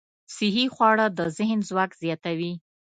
صحي خواړه د ذهن ځواک زیاتوي.